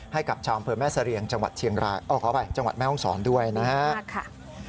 ให้กับชาวอำเภอแม่เสรียงจังหวัดเชียงรายขออภัยจังหวัดแม่ห้องศรด้วยนะครับ